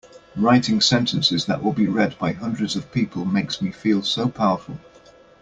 Writing sentences that will be read by hundreds of people makes me feel so powerful!